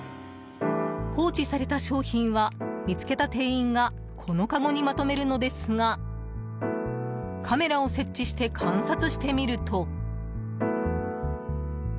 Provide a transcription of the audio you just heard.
放置された商品は見つけた店員がこのかごにまとめるのですがカメラを設置して観察してみると。